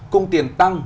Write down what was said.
cung tiền tăng